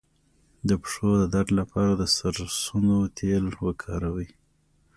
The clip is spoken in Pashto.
د پښو د درد لپاره د سرسونو تېل وکاروئ